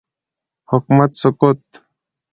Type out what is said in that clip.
حکومت سقوط